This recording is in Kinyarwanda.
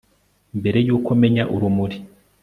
mbere yuko menya urumuri